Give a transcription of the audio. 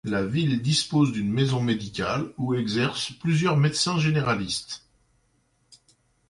La ville dispose d'une maison médicale où exercent plusieurs médecins généralistes.